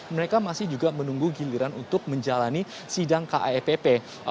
mereka masih juga menunggu giliran untuk menjalani sidang kaepp